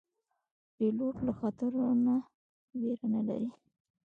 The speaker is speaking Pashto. پیلوټ له خطرو نه ویره نه لري.